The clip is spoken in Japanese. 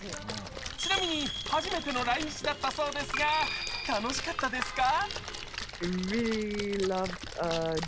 ちなみに、初めての来日だったそうですが、楽しかったですか？